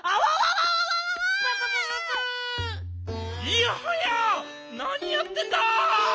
いやはやなにやってんだ！